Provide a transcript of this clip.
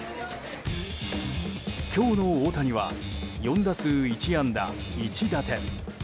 今日の大谷は４打数１安打１打点。